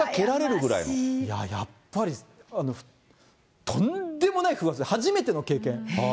やっぱり、とんでもない風圧で、初めての経験。